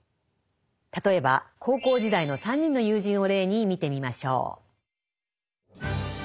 例えば高校時代の３人の友人を例に見てみましょう。